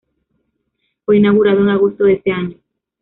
Fue inaugurado en agosto de ese año.